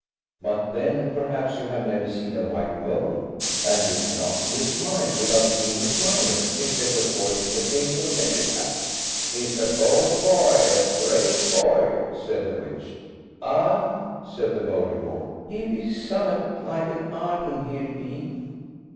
But then, perhaps you have never seen a white mole, and you cannot see a smile without seeing the smiler, except of course in the case of Cheshire cats.) "He's a bold boy, a brave boy," said the witch. "Ah!" said the Mouldiwarp, "he be summat like an Arden, he be."